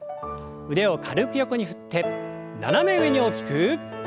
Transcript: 腕を軽く横に振って斜め上に大きく。